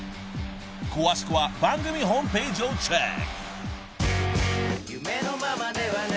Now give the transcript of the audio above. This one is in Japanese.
［詳しくは番組ホームページをチェック］